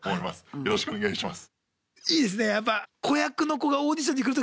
よろしくお願いします。